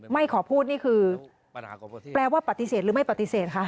ไม่ขอพูดนี่คือแปลว่าปฏิเสธหรือไม่ปฏิเสธคะ